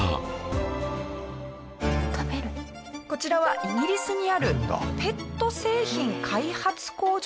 こちらはイギリスにあるペット製品開発工場の科学研究センター。